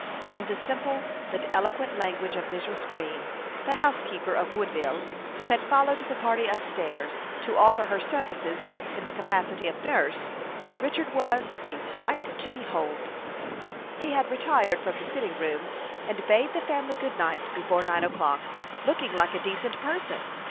In the simple but eloquent language of Mrs. Green, the housekeeper of Woodville, who had followed the party up stairs, to offer her services in the capacity of nurse, Richard was "a sight to behold." He had retired from the sitting room, and bade the family good night before nine o'clock, looking like a decent person.